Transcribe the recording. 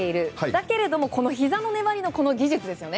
だけどもひざの粘りの技術ですよね。